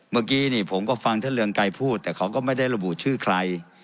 เมื่อกี้นี่ผมก็ฟังท่านเรืองไกรพูดแต่เขาก็ไม่ได้ระบุชื่อใคร